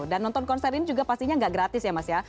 dan nonton konser ini juga pastinya gak gratis ya mas ya